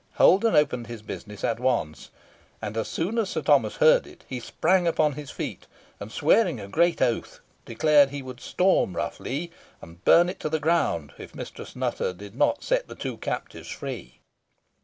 Holden opened his business at once; and as soon as Sir Thomas heard it, he sprang to his feet, and, swearing a great oath, declared he would storm Rough Lee, and burn it to the ground, if Mistress Nutter did not set the two captives free.